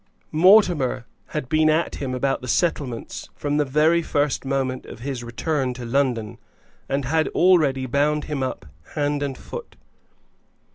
Mortimer had been at him about the settlements from the very first moment of his return to London, and had already bound him up hand and foot.